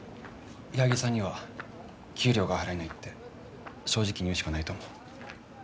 ・矢作さんには給料が払えないって正直に言うしかないと思う。